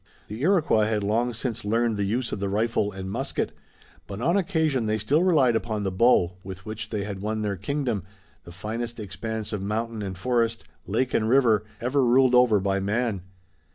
The Iroquois had long since learned the use of the rifle and musket, but on occasion they still relied upon the bow, with which they had won their kingdom, the finest expanse of mountain and forest, lake and river, ever ruled over by man.